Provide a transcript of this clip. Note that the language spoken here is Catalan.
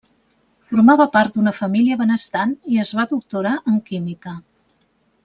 Formava part d'una família benestant, i es va doctorar en química.